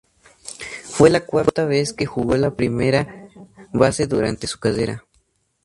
Fue la cuarta vez que jugó la primera base durante su carrera.